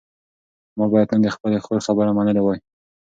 ما باید نن د خپلې خور خبره منلې وای.